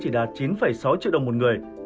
là chín sáu triệu đồng một người